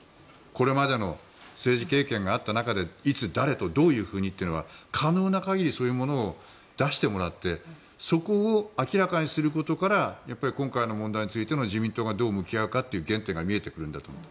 これまでの政治経験があった中でいつ誰とどういうふうにという可能な限りそういうものを出してもらってそこを明らかにすることから今回の問題についての自民党がどう向き合うかという原点が見えてくるんだと思う。